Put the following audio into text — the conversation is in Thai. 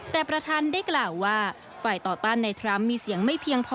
แต่ประธานได้กล่าวว่าฝ่ายต่อต้านในทรัมป์มีเสียงไม่เพียงพอ